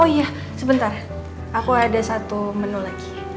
oh iya sebentar aku ada satu menu lagi